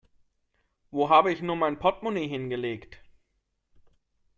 Wo habe ich nur mein Portemonnaie hingelegt?